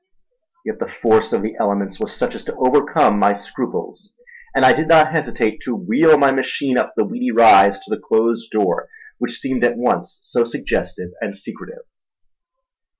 Yet the force of the elements was such as to overcome my scruples, and I did not hesitate to wheel my machine up the weedy rise to the closed door which seemed at once so suggestive and secretive.